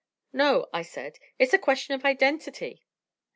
"No," I said, "it's a question of identity."